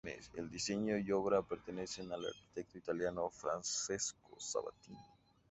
El diseño y obra pertenece al arquitecto italiano Francesco Sabatini.